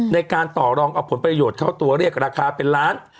ในการต่อรองเอาผลประโยชน์เข้าตัวเรียกราคาเป็นล้าน